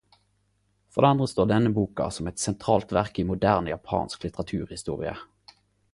For det andre står denne boka som eit sentralt verk i moderne japansk litteraturhistorie.